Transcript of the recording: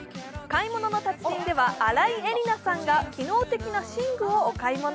「買い物の達人」では新井恵里那さんが機能的な寝具をお買い物。